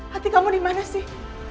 hati kamu dimana sih